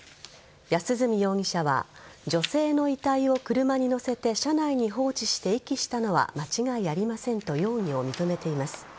安栖容疑者は女性の遺体を車に乗せて車内に放置して遺棄したのは間違いありませんと容疑を認めています。